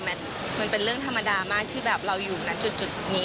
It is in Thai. มันเป็นเรื่องธรรมดามากที่แบบเราอยู่ณจุดนี้